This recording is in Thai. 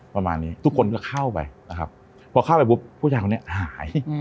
ประมาณนี้ทุกคนก็เข้าไปนะครับพอเข้าไปปุ๊บผู้ชายคนนี้หาย